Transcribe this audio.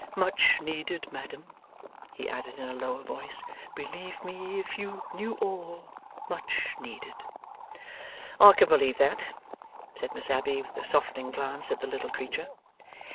Much needed, madam,' he added, in a lower voice. 'Believe me; if you knew all, much needed.' 'I can believe that,' said Miss Abbey, with a softening glance at the little creature.